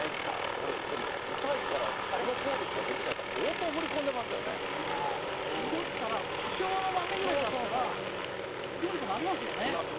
これ、でも痛いから、このポーズしかできない、いやー、普通だったら、多少のまめぐらいだったら、どうにかなりますよね。